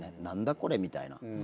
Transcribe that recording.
何だこれみたいな。